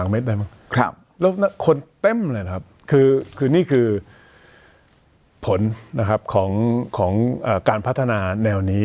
แล้วคนเต้มเลยนี่คือผลของการพัฒนาแนวนี้